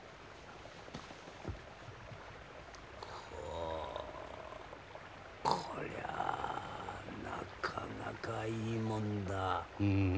ほうこりゃなかなかいいもんだ。